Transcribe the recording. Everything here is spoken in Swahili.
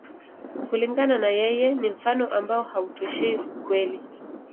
Kulingana na yeye, ni mfano ambao hautoshei ukweli.